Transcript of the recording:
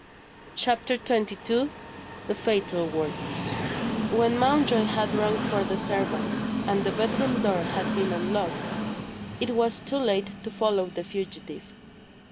CHAPTER XXII THE FATAL WORDS WHEN Mountjoy had rung for the servant, and the bedroom door had been unlocked, it was too late to follow the fugitive.